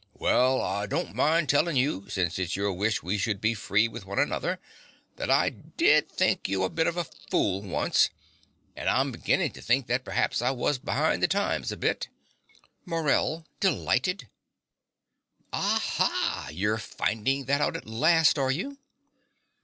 Well, I don't mind tellin' you, since it's your wish we should be free with one another, that I did think you a bit of a fool once; but I'm beginnin' to think that p'r'aps I was be'ind the times a bit. MORELL (delighted ). Aha! You're finding that out at last, are you?